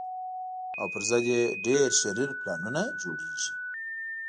او پر ضد یې ډېر شرير پلانونه جوړېږي